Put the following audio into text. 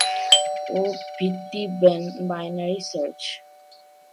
ও ভিত্তি binary search.